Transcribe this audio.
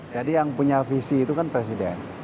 jadi yang punya visi itu kan presiden